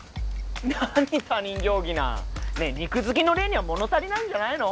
なに他人行儀なねえ肉好きの黎には物足りないんじゃないの？